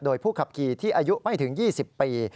โดยผู้ขับขี่ที่อายุไม่ถึง๒๐ปี